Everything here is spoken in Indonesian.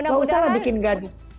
gak usah bikin gabi